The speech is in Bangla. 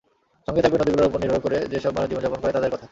সঙ্গে থাকবে নদীগুলোর ওপর নির্ভর করে যেসব মানুষ জীবনযাপন করে, তাদের কথা।